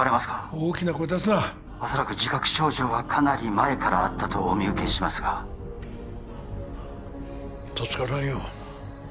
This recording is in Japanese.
大きな声出すな恐らく自覚症状はかなり前からあったとお見受けしますが助からんよ